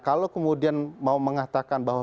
kalau kemudian mau mengatakan bahwa